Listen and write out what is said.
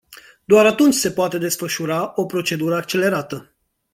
Doar atunci se poate desfășura o procedură accelerată.